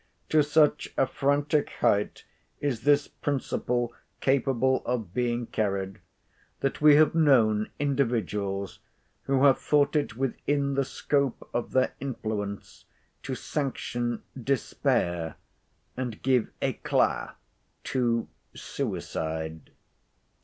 To such a frantic height is this principle capable of being carried, that we have known individuals who have thought it within the scope of their influence to sanction despair, and give éclat to—suicide.